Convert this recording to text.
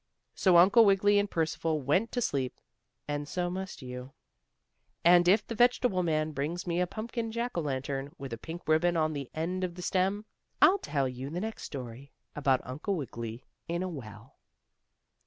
So Uncle Wiggily and Percival went to sleep, and so must you, and if the vegetable man brings me a pumpkin Jack o' Lantern, with a pink ribbon on the end of the stem, I'll tell you in the next story about Uncle Wiggily in a well.